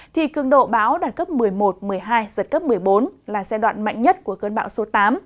thì cường độ báo đạt cấp một mươi một một mươi hai giật cấp một mươi bốn là giai đoạn mạnh nhất của cơn bão số tám